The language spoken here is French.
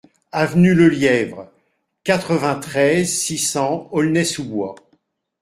Avenue Lelièvre, quatre-vingt-treize, six cents Aulnay-sous-Bois